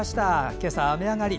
今朝、雨上がり。